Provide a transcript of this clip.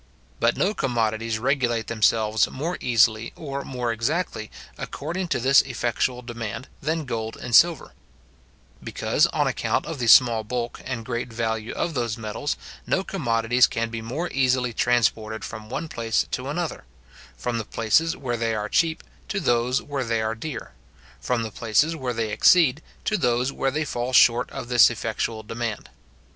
But no commodities regulate themselves more easily or more exactly, according to this effectual demand, than gold and silver; because, on account of the small bulk and great value of those metals, no commodities can be more easily transported from one place to another; from the places where they are cheap, to those where they are dear; from the places where they exceed, to those where they fall short of this effectual demand.